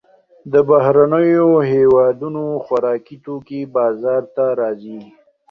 د بهرنیو هېوادونو خوراکي توکي بازار ته راځي.